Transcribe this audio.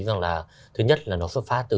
rằng là thứ nhất là nó xuất phát từ